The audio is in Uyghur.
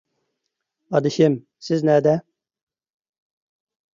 ئادىشىم، سىز نەدە؟